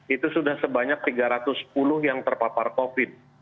itu sudah sebanyak tiga ratus sepuluh yang terpapar covid